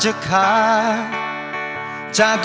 จากกันกระทะมที่ตอบยาวว่าฉันด้อยกว่า